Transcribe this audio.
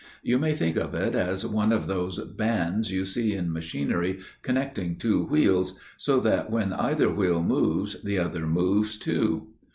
You may think of it as one of those bands you see in machinery connecting two wheels, so that when either wheel moves the other moves too.